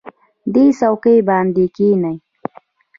دې څوکۍ باندې کېنئ.